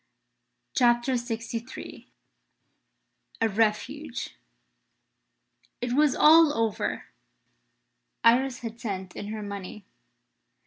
CHAPTER LXIII A REFUGE IT was all over. Iris had sent in her money.